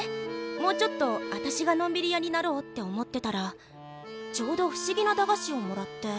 もうちょっと私がのんびり屋になろうって思ってたらちょうど不思議な駄菓子をもらって。